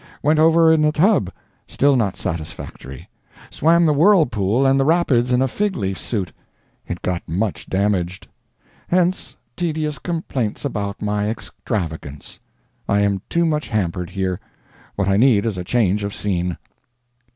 Went over in a tub still not satisfactory. Swam the Whirlpool and the Rapids in a fig leaf suit. It got much damaged. Hence, tedious complaints about my extravagance. I am too much hampered here. What I need is a change of scene.